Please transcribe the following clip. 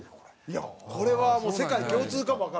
いやこれはもう世界共通かもわからんね。